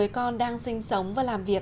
tất cả các cái gì tôi thấy ở đây